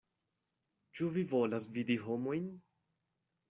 Ĉu vi volas vidi homojn?